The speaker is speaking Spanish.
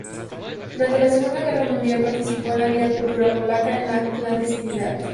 Durante la Segunda Guerra Mundial participó en la vida cultural polaca en la clandestinidad.